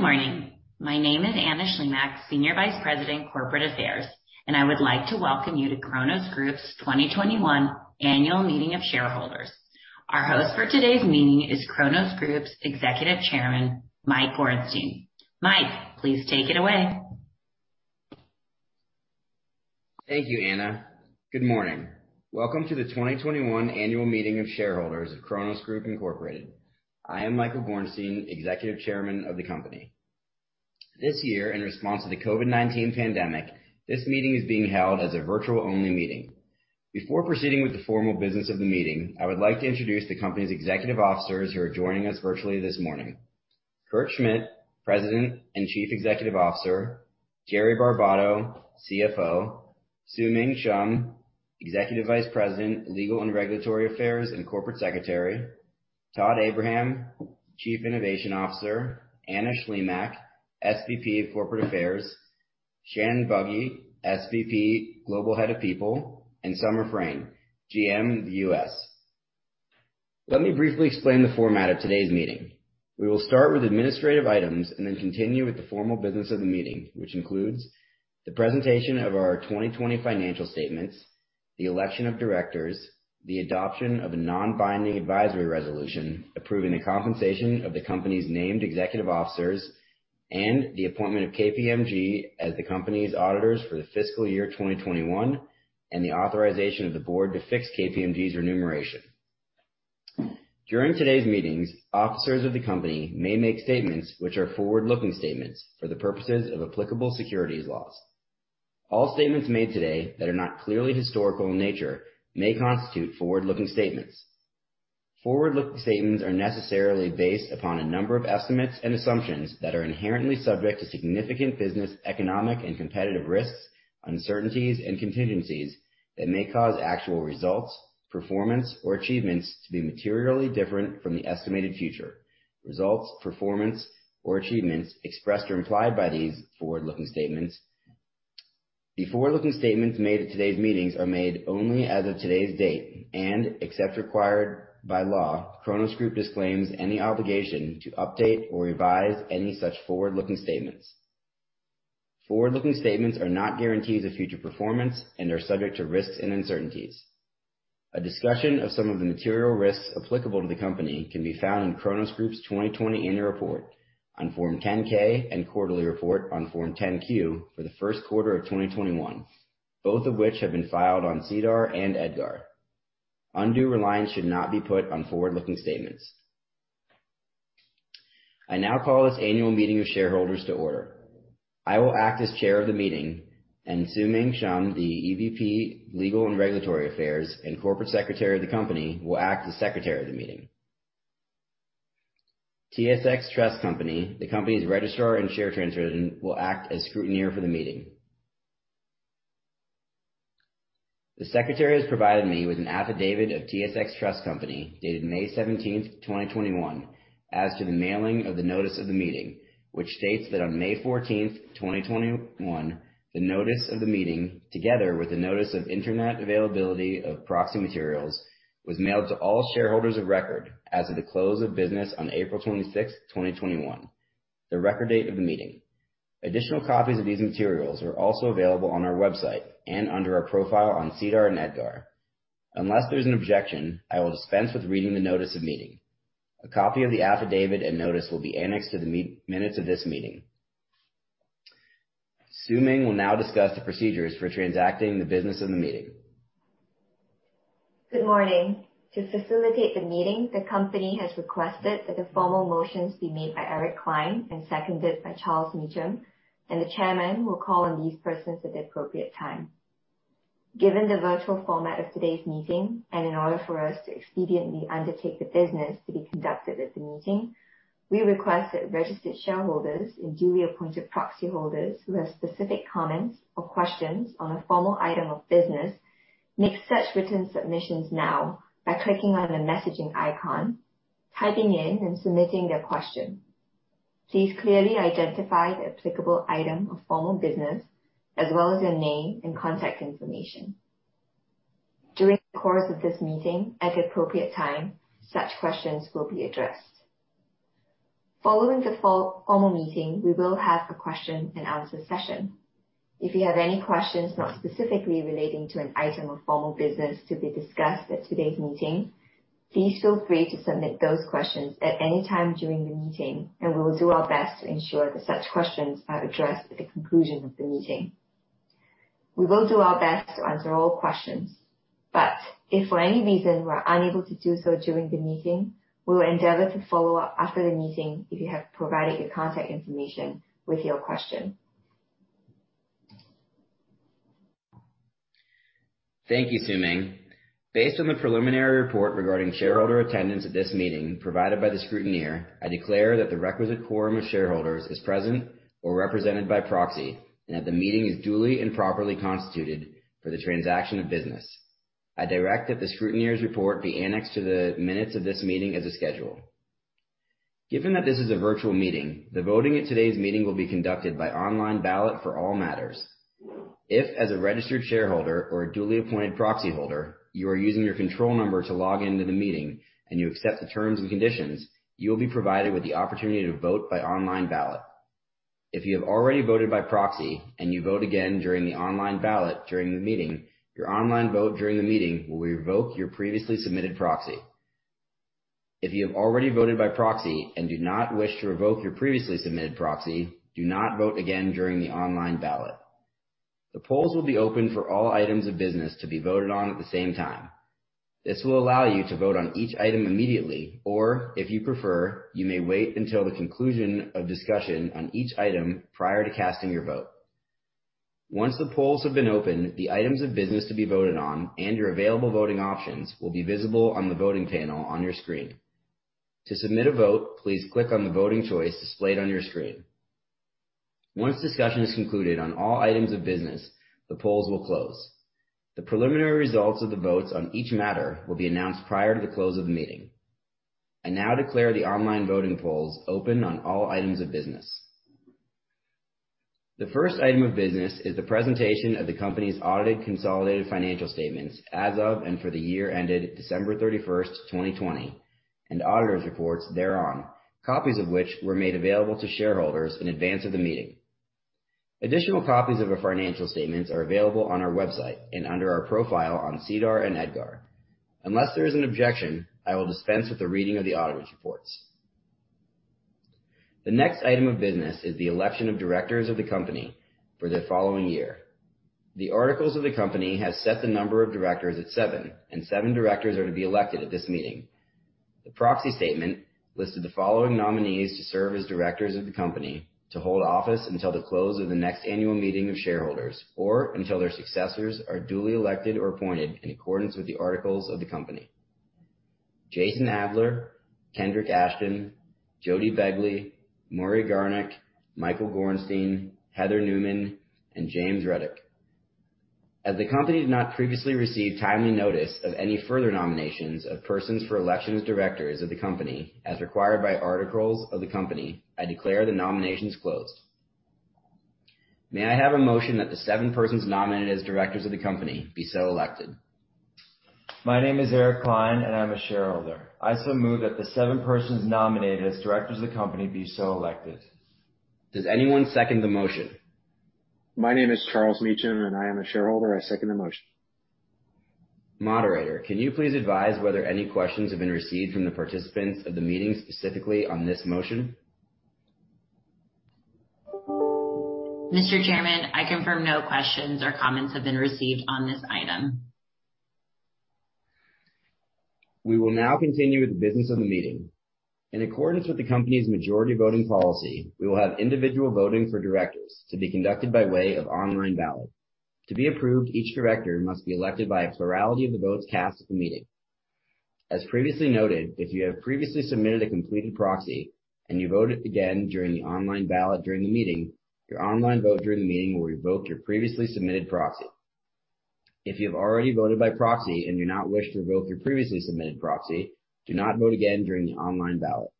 Good morning. My name is Anna Shlimak, Senior Vice President of Corporate Affairs, and I would like to welcome you to Cronos Group's 2021 Annual Meeting of Shareholders. Our host for today's meeting is Cronos Group's Executive Chairman, Mike Gorenstein. Mike, please take it away. Thank you, Anna. Good morning. Welcome to the 2021 Annual Meeting of Shareholders of Cronos Group Incorporated. I am Mike Gorenstein, Executive Chairman of the company. This year, in response to the COVID-19 pandemic, this meeting is being held as a virtual-only meeting. Before proceeding with the formal business of the meeting, I would like to introduce the company's executive officers who are joining us virtually this morning. Kurt Schmidt, President and Chief Executive Officer, Jerry Barbato, CFO, Xiuming Shum, Executive Vice President, Legal and Regulatory Affairs and Corporate Secretary, Todd Abraham, Chief Innovation Officer, Anna Shlimak, SVP of Corporate Affairs, Shannon Buggy, SVP Global Head of People, and Summer Frein, GM of the U.S. Let me briefly explain the format of today's meeting. We will start with administrative items and then continue with the formal business of the meeting, which includes the presentation of our 2020 financial statements, the election of directors, the adoption of a non-binding advisory resolution, approving the compensation of the company's named executive officers, and the appointment of KPMG as the company's auditors for the FY 2021, and the authorization of the board to fix KPMG's remuneration. During today's meetings, officers of the company may make statements which are forward-looking statements for the purposes of applicable securities laws. All statements made today that are not clearly historical in nature may constitute forward-looking statements. Forward-looking statements are necessarily based upon a number of estimates and assumptions that are inherently subject to significant business, economic, and competitive risks, uncertainties and contingencies that may cause actual results, performance, or achievements to be materially different from the estimated future. Results, performance, or achievements expressed or implied by these forward-looking statements. The forward-looking statements made at today's meetings are made only as of today's date, and except where required by law, Cronos Group disclaims any obligation to update or revise any such forward-looking statements. Forward-looking statements are not guarantees of future performance and are subject to risks and uncertainties. A discussion of some of the material risks applicable to the company can be found in Cronos Group's 2020 annual report on Form 10-K and quarterly report on Form 10-Q for the first quarter of 2021, both of which have been filed on SEDAR and EDGAR. Undue reliance should not be put on forward-looking statements. I now call this annual meeting of shareholders to order. I will act as chair of the meeting, and Xiuming Shum, the EVP Legal and Regulatory Affairs and Corporate Secretary of the company, will act as Secretary of the meeting. TSX Trust Company, the company's registrar and share transfer agent, will act as scrutineer for the meeting. The Secretary has provided me with an affidavit of TSX Trust Company dated May 17th, 2021, as to the mailing of the notice of the meeting, which states that on May 14th, 2021, the notice of the meeting, together with the notice of internet availability of proxy materials, was mailed to all shareholders of record as of the close of business on April 26th, 2021, the record date of the meeting. Additional copies of these materials are also available on our website and under our profile on SEDAR and EDGAR. Unless there's an objection, I will dispense with reading the notice of meeting. A copy of the affidavit and notice will be annexed to the minutes of this meeting. Xiuming will now discuss the procedures for transacting the business of the meeting. Good morning. To facilitate the meeting, the company has requested that the formal motions be made by Eric Klein and seconded by Charles Meacham, and the chairman will call on these persons at the appropriate time. Given the virtual format of today's meeting, and in order for us to expediently undertake the business to be conducted at the meeting, we request that registered shareholders and duly appointed proxyholders who have specific comments or questions on a formal item of business make such written submissions now by clicking on the messaging icon, typing in, and submitting their question. Please clearly identify the applicable item of formal business as well as your name and contact information. During the course of this meeting, at the appropriate time, such questions will be addressed. Following the formal meeting, we will have the question and answer session. If you have any questions not specifically relating to an item of formal business to be discussed at today's meeting, please feel free to submit those questions at any time during the meeting, and we will do our best to ensure that such questions are addressed at the conclusion of the meeting. We will do our best to answer all questions, but if for any reason we're unable to do so during the meeting, we will endeavor to follow up after the meeting if you have provided your contact information with your question. Thank you, Xiuming. Based on the preliminary report regarding shareholder attendance at this meeting provided by the scrutineer, I declare that the requisite quorum of shareholders is present or represented by proxy, and that the meeting is duly and properly constituted for the transaction of business. I direct that the scrutineer's report be annexed to the minutes of this meeting as a schedule. Given that this is a virtual meeting, the voting at today's meeting will be conducted by online ballot for all matters. If as a registered shareholder or a duly appointed proxy holder, you are using your control number to log into the meeting and you accept the terms and conditions, you will be provided with the opportunity to vote by online ballot. If you have already voted by proxy and you vote again during the online ballot during the meeting, your online vote during the meeting will revoke your previously submitted proxy. If you have already voted by proxy and do not wish to revoke your previously submitted proxy, do not vote again during the online ballot. The polls will be open for all items of business to be voted on at the same time. This will allow you to vote on each item immediately, or if you prefer, you may wait until the conclusion of discussion on each item prior to casting your vote. Once the polls have been opened, the items of business to be voted on and your available voting options will be visible on the voting panel on your screen. To submit a vote, please click on the voting choice displayed on your screen. Once discussion is concluded on all items of business, the polls will close. The preliminary results of the votes on each matter will be announced prior to the close of the meeting. I now declare the online voting polls open on all items of business. The first item of business is the presentation of the company's audited consolidated financial statements as of and for the year ended December 31st, 2020, and auditors' reports thereon, copies of which were made available to shareholders in advance of the meeting. Additional copies of the financial statements are available on our website and under our profile on SEDAR and EDGAR. Unless there is an objection, I will dispense with the reading of the auditors' reports. The next item of business is the election of directors of the company for the following year. The articles of the company has set the number of directors at seven, and seven directors are to be elected at this meeting. The proxy statement listed the following nominees to serve as directors of the company to hold office until the close of the next annual meeting of shareholders, or until their successors are duly elected or appointed in accordance with the articles of the company. Jason Adler, Kendrick Ashton, Jody Begley, Murray Garnick, Mike Gorenstein, Heather Newman, and James Rudyk. As the company has not previously received timely notice of any further nominations of persons for election as directors of the company as required by articles of the company, I declare the nominations closed. May I have a motion that the seven persons nominated as directors of the company be so elected? My name is Eric Klein, and I'm a shareholder. I so move that the seven persons nominated as directors of the company be so elected. Does anyone second the motion? My name is Charles Meacham, and I am a shareholder. I second the motion. Moderator, can you please advise whether any questions have been received from the participants of the meeting, specifically on this motion? Mr. Chairman, I confirm no questions or comments have been received on this item. We will now continue with the business of the meeting. In accordance with the company's majority voting policy, we will have individual voting for directors to be conducted by way of online ballot. To be approved, each director must be elected by a plurality of the votes cast at the meeting. As previously noted, if you have previously submitted a completed proxy and you vote again during the online ballot during the meeting, your online vote during the meeting will revoke your previously submitted proxy. If you have already voted by proxy and do not wish to revoke your previously submitted proxy, do not vote again during the online ballot.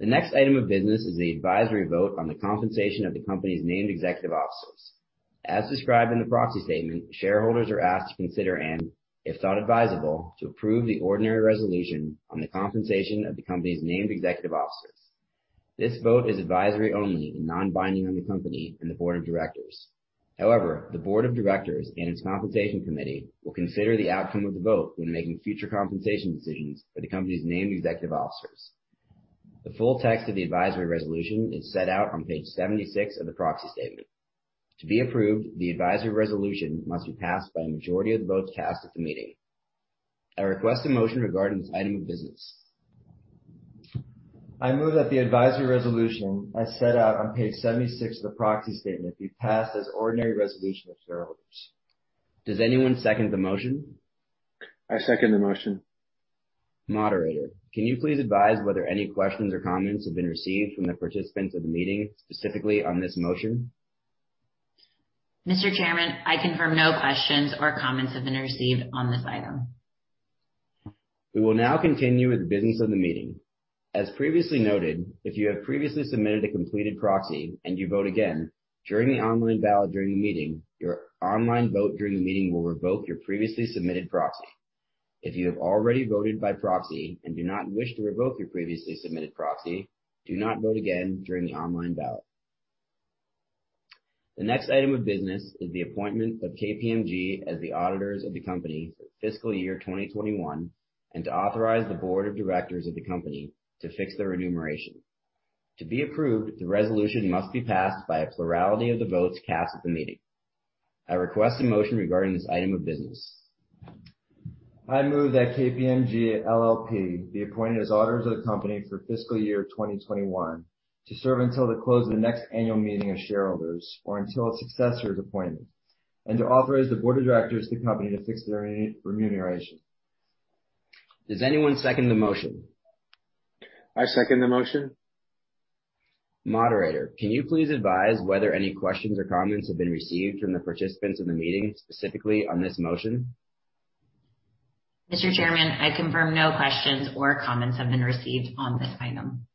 The next item of business is the advisory vote on the compensation of the company's named executive officers. As described in the proxy statement, shareholders are asked to consider and, if thought advisable, to approve the ordinary resolution on the compensation of the company's named executive officers. This vote is advisory only and non-binding on the company and the board of directors. The board of directors and its compensation committee will consider the outcome of the vote when making future compensation decisions for the company's named executive officers. The full text of the advisory resolution is set out on page 76 of the proxy statement. To be approved, the advisory resolution must be passed by a majority of the votes cast at the meeting. I request a motion regarding this item of business. I move that the advisory resolution, as set out on page 76 of the proxy statement, be passed as ordinary resolution of shareholders. Does anyone second the motion? I second the motion. Moderator, can you please advise whether any questions or comments have been received from the participants of the meeting, specifically on this motion? Mr. Chairman, I confirm no questions or comments have been received on this item. We will now continue with the business of the meeting. As previously noted, if you have previously submitted a completed proxy and you vote again during the online ballot during the meeting, your online vote during the meeting will revoke your previously submitted proxy. If you have already voted by proxy and do not wish to revoke your previously submitted proxy, do not vote again during the online ballot. The next item of business is the appointment of KPMG as the auditors of the company for fiscal year 2021, and to authorize the board of directors of the company to fix their remuneration. To be approved, the resolution must be passed by a plurality of the votes cast at the meeting. I request a motion regarding this item of business. I move that KPMG LLP be appointed as auditors of the company for FY 2021 to serve until the close of the next annual meeting of shareholders or until a successor is appointed, and to authorize the board of directors of the company to fix their remuneration. Does anyone second the motion? I second the motion. Moderator, can you please advise whether any questions or comments have been received from the participants in the meeting, specifically on this motion? Mr. Chairman, I confirm no questions or comments have been received on this item.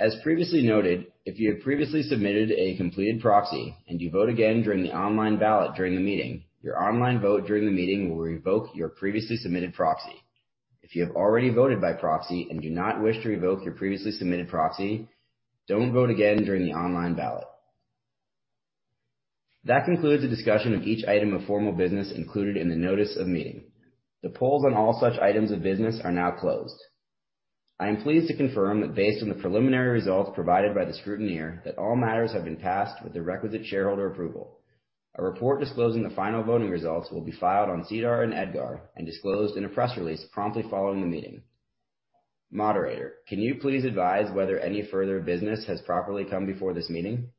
As previously noted, if you had previously submitted a completed proxy and you vote again during the online ballot during the meeting, your online vote during the meeting will revoke your previously submitted proxy. If you have already voted by proxy and do not wish to revoke your previously submitted proxy, don't vote again during the online ballot. That concludes the discussion of each item of formal business included in the notice of meeting. The polls on all such items of business are now closed. I am pleased to confirm that based on the preliminary results provided by the scrutineer, that all matters have been passed with the requisite shareholder approval. A report disclosing the final voting results will be filed on SEDAR and EDGAR and disclosed in a press release promptly following the meeting. Moderator, can you please advise whether any further business has properly come before this meeting?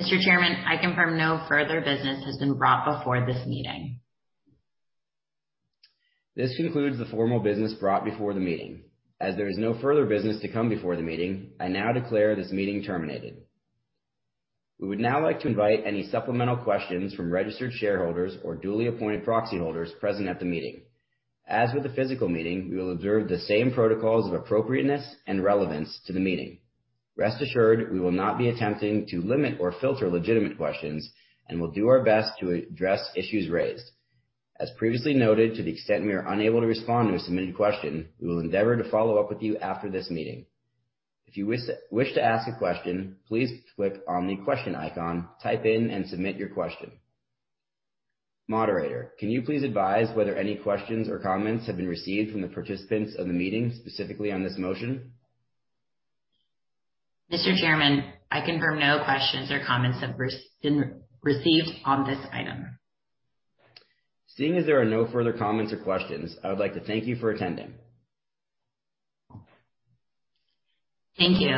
Mr. Chairman, I confirm no further business has been brought before this meeting. This concludes the formal business brought before the meeting. As there is no further business to come before the meeting, I now declare this meeting terminated. We would now like to invite any supplemental questions from registered shareholders or duly appointed proxy holders present at the meeting. As with the physical meeting, we will observe the same protocols of appropriateness and relevance to the meeting. Rest assured, we will not be attempting to limit or filter legitimate questions and will do our best to address issues raised. As previously noted, to the extent we are unable to respond to a submitted question, we will endeavor to follow up with you after this meeting. If you wish to ask a question, please click on the question 1 icon, type in and submit your question. Moderator, can you please advise whether any questions or comments have been received from the participants of the meeting, specifically on this motion? Mr. Chairman, I confirm no questions or comments have been received on this item. Seeing as there are no further comments or questions, I would like to thank you for attending. Thank you.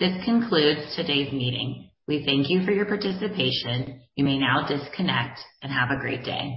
This concludes today's meeting. We thank you for your participation. You may now disconnect and have a great day.